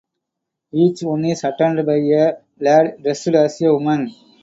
Each one is attended by a lad dressed as a woman.